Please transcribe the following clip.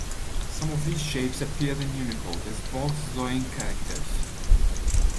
Some of these shapes appear in Unicode as box-drawing characters.